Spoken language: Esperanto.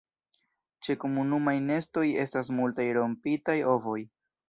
Ĉe komunumaj nestoj estas multaj rompitaj ovoj.